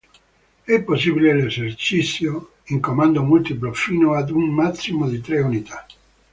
È possibile l'esercizio in comando multiplo fino ad un massimo di tre unità.